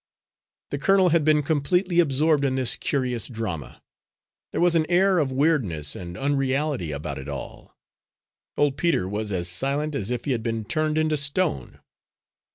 The colonel had been completely absorbed in this curious drama. There was an air of weirdness and unreality about it all. Old Peter was as silent as if he had been turned into stone.